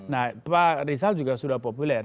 nah pak rizal juga sudah populer